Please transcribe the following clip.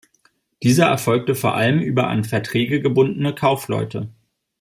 Dieser erfolgte vor allem über an Verträge gebundene Kaufleute.